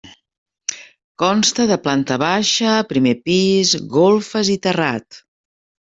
Consta de planta baixa, primer pis, golfes i terrat.